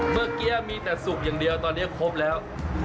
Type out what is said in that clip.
เมื่อกี้มีแต่สุกอย่างเดียวตอนนี้ครบแล้ว